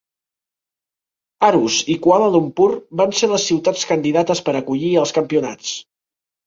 Aarhus i Kuala Lumpur van ser les ciutats candidates per acollir els campionats.